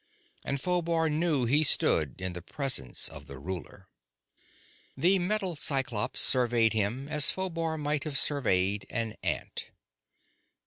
And Phobar knew he stood in the presence of the ruler. The metal Cyclops surveyed him as Phobar might have surveyed an ant.